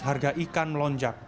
harga ikan melonjak